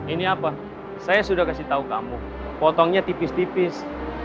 ini apa saya sudah kasih tahu kamu potongnya tipis tipis